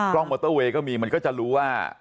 มอเตอร์เวย์ก็มีมันก็จะรู้ว่า